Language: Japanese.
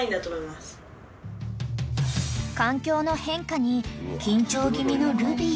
［環境の変化に緊張気味のルビー］